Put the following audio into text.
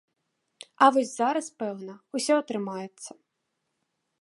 А вось зараз, пэўна, усе атрымаецца.